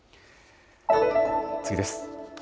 次です。